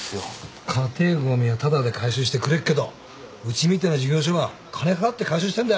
家庭ごみはタダで回収してくれっけどうちみてえな事業所は金払って回収してんだよ。